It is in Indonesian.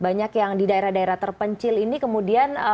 banyak yang di daerah daerah terpencil ini kemudian